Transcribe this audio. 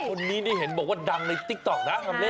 คนนี้เนี่ยเห็นบอกว่าดังในติ๊กต๊อกนะทำเล่น